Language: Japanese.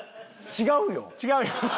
違うよ。